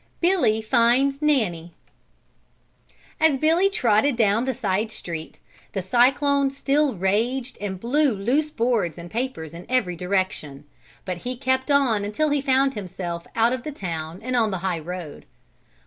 Billy Finds Nanny As Billy trotted down the side street, the cyclone still raged and blew loose boards and papers in every direction, but he kept on until he found himself out of the town and on the high road.